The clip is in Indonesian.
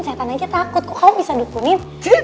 kesehatan aja takut kok kamu bisa dukunin